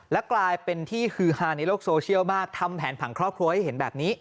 และกลายเป็นที่ฮือฮาในโลกโซเชียลมากทำแผนผังครอบครัวให้เห็นแบบนี้